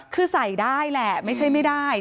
คือใส่ได้แหละไม่ใช่ไม่ได้